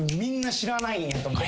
知らないんやと思う。